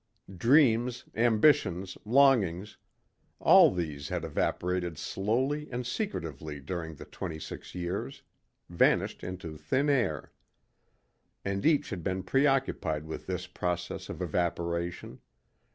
Dreams, ambitions, longings all these had evaporated slowly and secretively during the twenty six years, vanished into thin air. And each had been preoccupied with this process of evaporation.